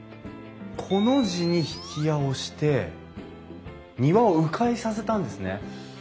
コの字に曳家をして庭をう回させたんですね。